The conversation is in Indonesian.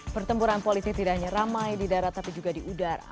pertempuran politik tidak hanya ramai di darat tapi juga di udara